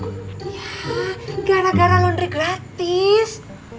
ini gara gara laundry gratis